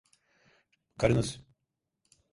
Karınız…